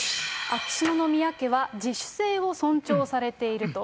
秋篠宮家は自主性を尊重されていると。